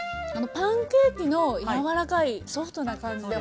パンケーキの柔らかいソフトな感じで。